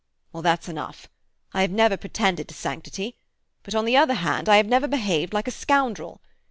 Well, that's enough. I have never pretended to sanctity; but, on the other hand, I have never behaved like a scoundrel.